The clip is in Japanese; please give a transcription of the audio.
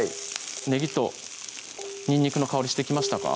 ねぎとにんにくの香りしてきましたか？